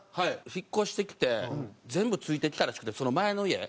引っ越してきて全部ついてきたらしくて前の家。